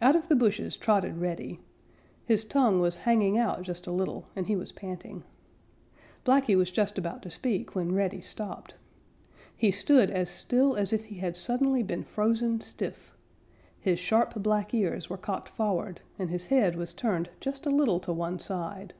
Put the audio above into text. Out of the bushes trotted Reddy. His tongue was hanging out just a little, and he was panting. Blacky was just about to speak when Reddy stopped. He stood as still as if he had suddenly been frozen stiff. His sharp black ears were cocked forward, and his head was turned just a little to one side.